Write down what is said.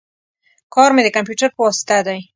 کار می د کمپیوټر په واسطه دی